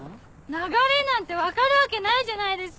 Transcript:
流れなんて分かるわけないじゃないですか！